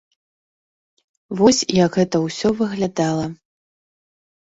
Вось, як гэта ўсё выглядала.